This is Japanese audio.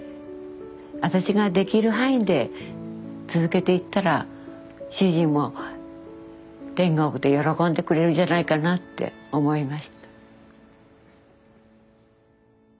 私ができる範囲で続けていったら主人も天国で喜んでくれるんじゃないかなって思いました。